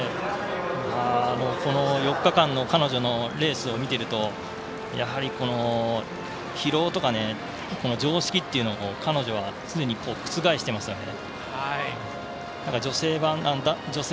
この４日間の彼女のレースを見てるとやはり、疲労とか常識っていうのを彼女は、常に覆していますよね。